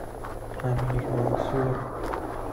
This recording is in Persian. امیرمنصور